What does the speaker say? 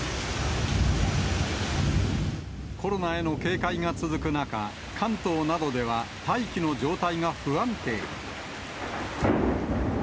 コロナへの警戒が続く中、関東などでは大気の状態が不安定に。